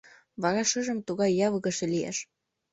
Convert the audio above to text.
Вара шыжым тугай явыгыше лиеш.